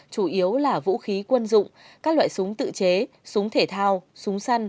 chủ yếu là vũ khí quân dụng các loại súng tự chế súng thể thao súng săn